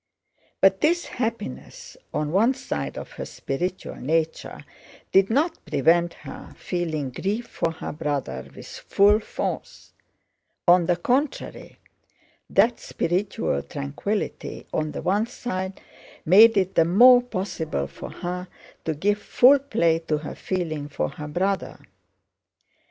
But this happiness on one side of her spiritual nature did not prevent her feeling grief for her brother with full force; on the contrary, that spiritual tranquility on the one side made it the more possible for her to give full play to her feeling for her brother.